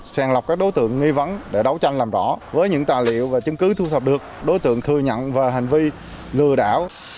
sàng lọc các đối tượng nghi vấn để đấu tranh làm rõ với những tài liệu và chứng cứ thu thập được đối tượng thừa nhận về hành vi lừa đảo